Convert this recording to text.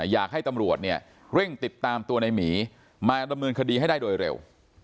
อยากให้ตำรวจเนี่ยเร่งติดตามตัวในหมีมาดำเนินคดีให้ได้โดยเร็ว